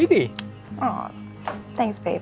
aw terima kasih sayang